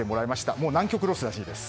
もう南極ロスらしいです。